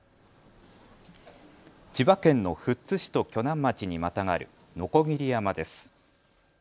千葉県の富津市と鋸南町にまたがる鋸山です。